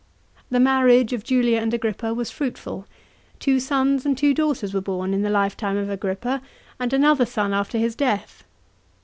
The marriage of Julia and Agrippa was fruitful. Two sons and two daughters were born hi the lifetime of Agrippa, and another son after his death.